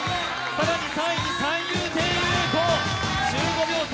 更に３位に三遊亭遊子、１５秒差。